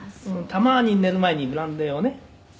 「たまに寝る前にブランデーをね少し飲む程度。